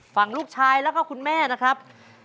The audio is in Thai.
ฝั่งลูกชายแล้วก็คุณแม่นะครับ